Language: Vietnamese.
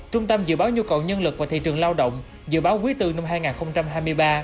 trung tâm dự báo nhu cầu nhân lực và thị trường lao động dự báo quý bốn năm hai nghìn hai mươi ba